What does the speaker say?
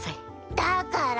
だから！